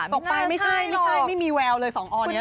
ตกไปไม่ใช่ไม่มีแววเลยสองออนี้